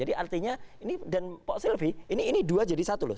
jadi artinya ini dan pak silvi ini dua jadi satu loh